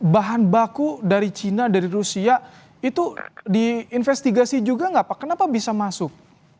bahan baku dari cina dari rusia itu diinvestigasi juga nggak pak kenapa bisa masuk